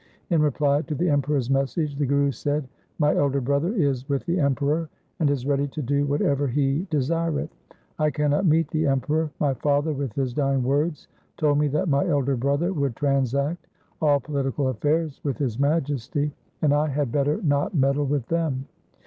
In reply to the Emperor's message the Guru said, ' My elder brother is with the Emperor, and is ready to do whatever he desireth. I cannot meet the Emperor. My father with his dying words told me that my elder brother would transact all political affairs with His Majesty, and I had better not meddle with them.